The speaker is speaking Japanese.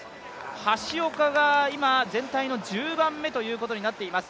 橋岡が今、全体の１０番目ということになっています。